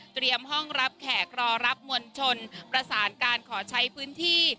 ห้องรับแขกรอรับมวลชนประสานการขอใช้พื้นที่